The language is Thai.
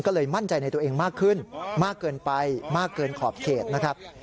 ก็เลยมั่นใจในตัวเองมากขึ้นมากเกินไปมากเกินขอบเขตนะครับ